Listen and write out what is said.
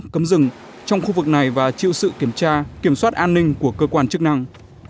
cấm rừng trong khu vực này và chịu sự kiểm tra kiểm soát an ninh của cơ quan chức năng